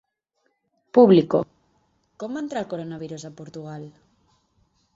Público: Com va entrar el coronavirus a Portugal?